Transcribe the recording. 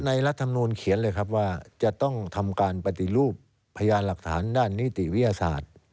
รัฐมนูลเขียนเลยครับว่าจะต้องทำการปฏิรูปพยานหลักฐานด้านนิติวิทยาศาสตร์